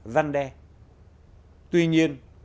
gian đe tuy nhiên